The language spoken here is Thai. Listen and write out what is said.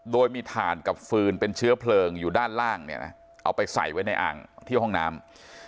โดยมีถ่านกับฟืนเป็นเชื้อเพลิงอยู่ด้านล่างเนี่ยนะเอาไปใส่ไว้ในอ่างที่ห้องน้ำ